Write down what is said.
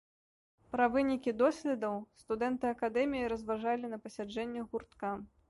Пра вынікі доследаў студэнты акадэміі разважалі на пасяджэннях гуртка.